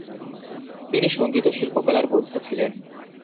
তিনি সঙ্গীত ও শিল্পকলার বোদ্ধা ছিলেন।